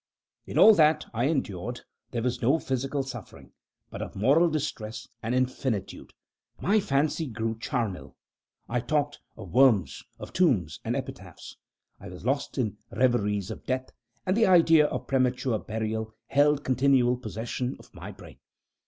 In all that I endured there was no physical suffering but of moral distress an infinitude. My fancy grew charnel, I talked "of worms, of tombs, and epitaphs." I was lost in reveries of death, and the idea of premature burial held continual possession of my brain.